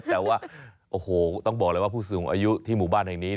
แต่ว่าโอ้โหต้องบอกเลยว่าผู้สูงอายุที่หมู่บ้านแห่งนี้